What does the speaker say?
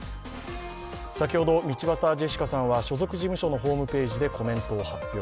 先ほど道端ジェシカさんは所属事務所のホームページでコメントを発表。